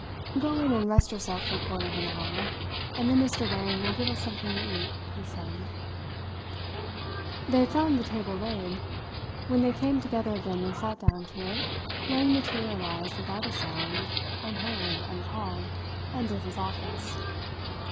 "Go in and rest yourself for a quarter of an hour; and then Mr. Wang will give us something to eat," he said. They had found the table laid. When they came together again and sat down to it, Wang materialized without a sound, unheard, uncalled, and did his office.